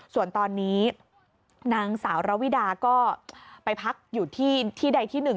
ส่วนตอนนี้นางสาวระวิดาก็ไปพักอยู่ที่ใดที่หนึ่ง